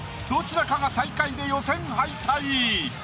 どちらかが最下位で予選敗退。